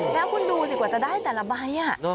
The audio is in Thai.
แล้วคุณดูสิกว่าจะได้แต่ละใบ